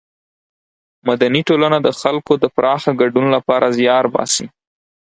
مدني ټولنه د خلکو د پراخه ګډون له پاره زیار باسي.